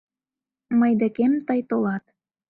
Мый декем тый толат.